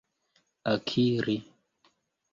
akiri